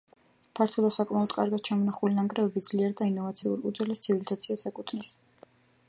ფართო და საკმაოდ კარგად შემონახული ნანგრევები ძლიერ და ინოვაციურ უძველეს ცივილიზაციას ეკუთვნის.